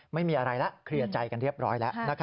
ไม่มีอะไรแล้วเคลียร์ใจกันเรียบร้อยแล้ว